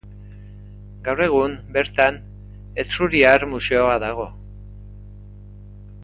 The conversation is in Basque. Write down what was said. Gaur egun, bertan, Etruriar Museoa dago.